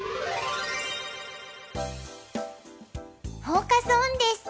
フォーカス・オンです。